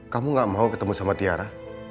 kamu gak mau ketemu sama tiara